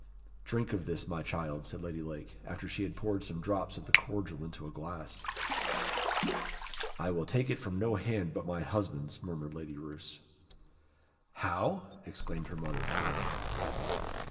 "Drink of this, my child," said Lady Lake, after she had poured some drops of the cordial into a glass. "I will take it from no hand but my husband's," murmured Lady Roos. "How?" exclaimed her mother, frowning.